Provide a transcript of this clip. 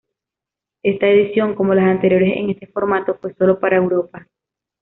Esta edición, como los anteriores en este formato, fue solo para Europa.